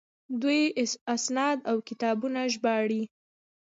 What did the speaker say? دوی اسناد او کتابونه ژباړي.